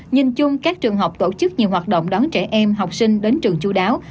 nhìn chung các trường học tổ chức nhiều hoạt động đón trẻ em học sinh đến trường chú đáo